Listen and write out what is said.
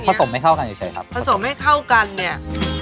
สมให้เข้ากันเฉยครับผสมให้เข้ากันเนี่ย